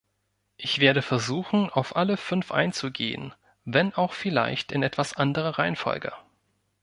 Ich werde versuchen, auf alle fünf einzugehen, wenn auch vielleicht in etwas anderer Reihenfolge.